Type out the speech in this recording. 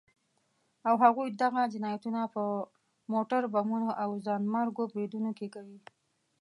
او هغوی دغه جنايتونه په موټر بمونو او ځانمرګو بريدونو کې کوي.